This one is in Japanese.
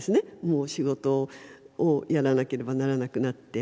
もう仕事をやらなければならなくなって。